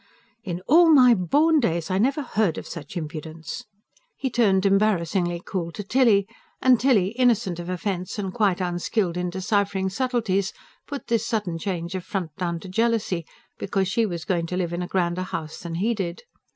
"In all my born days I never heard such impudence!" He turned embarrassingly cool to Tilly. And Tilly, innocent of offence and quite unskilled in deciphering subtleties, put this sudden change of front down to jealousy, because she was going to live in a grander house than he did.